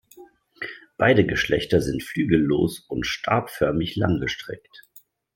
Beide Geschlechter sind flügellos und stabförmig langgestreckt.